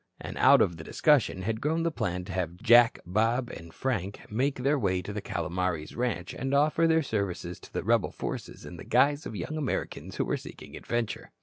And out of the discussion had grown the plan to have Jack, Bob and Frank make their way to the Calomares ranch and offer their services to the rebel forces in the guise of young Americans who were seeking adventure.